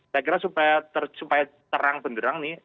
saya kira supaya terang benderang nih